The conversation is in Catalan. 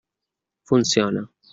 Funciona.